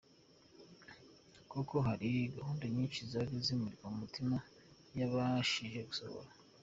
Koko hari gahunda nyinshi zari zimuri ku mutima yabashije gusohoza.